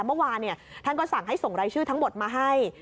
เมื่อวานท่านก็สั่งให้ส่งรายชื่อทั้งหมดมาให้